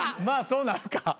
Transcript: まあそうなるか。